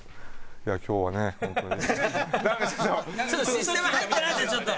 システマ入ってないじゃんちょっと！